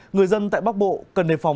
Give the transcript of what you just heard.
người dân tại bắc bộ cần đề phòng